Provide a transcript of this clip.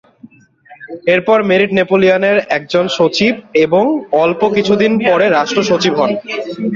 এরপর মেরিট নেপোলিয়নের একজন সচিব এবং অল্প কিছুদিন পরে রাষ্ট্র সচিব হন।